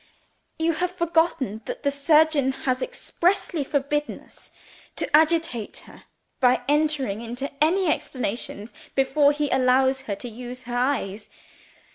You have forgotten that the surgeon has expressly forbidden us to agitate her by entering into any explanations before he allows her to use her eyes.